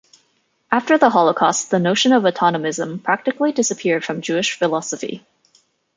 After the Holocaust, the notion of Autonomism practically disappeared from Jewish philosophy.